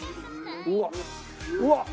うわっうわっ！